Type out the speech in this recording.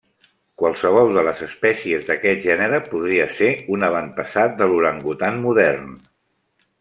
Qualsevol de les espècies d'aquest gènere podria ser un avantpassat de l'orangutan modern.